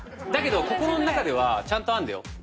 だけど心ん中ではちゃんとあんだよ